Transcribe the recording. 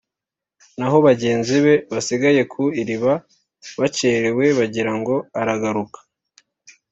naho bagenzi be basigaye ku iriba bacerewe bagira ngo aragaruka,